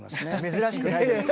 珍しくないです。